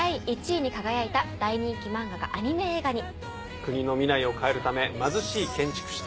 国の未来を変えるため貧しい建築士と。